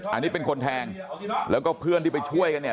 อันนี้เป็นคนแทงแล้วก็เพื่อนที่ไปช่วยกันเนี่ย